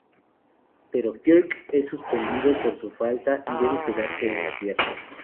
Pero Kirk es suspendido por su falta y debe quedarse en la Tierra.